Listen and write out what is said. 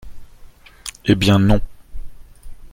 Eh bien non